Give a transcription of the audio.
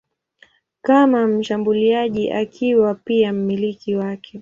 kama mshambuliaji akiwa pia mmiliki wake.